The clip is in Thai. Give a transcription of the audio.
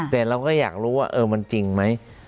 แต่เราก็อยากรู้ว่ามันจริงไหม